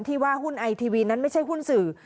ว่าหุ้นไอทีวีนั้นไม่ใช่หุ้นสื่อ